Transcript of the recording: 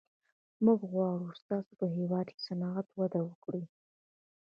موږ غواړو ستاسو په هېواد کې صنعت وده وکړي